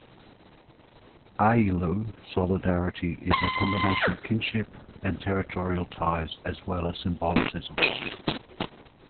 Ayllu solidarity is a combination of kinship and territorial ties, as well as symbolism.